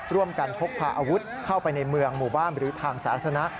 พกพาอาวุธเข้าไปในเมืองหมู่บ้านหรือทางสาธารณะ